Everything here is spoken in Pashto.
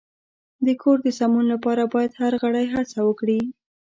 د کور د سمون لپاره باید هر غړی هڅه وکړي.